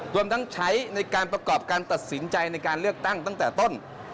รวมทั้งใช้ในการประกอบการตัดสินใจในการเลือกตั้งตั้งแต่ต้น